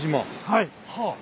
はい。